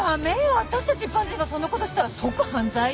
私たち一般人がそんな事したら即犯罪よ？